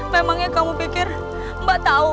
memangnya kamu pikir mbak tahu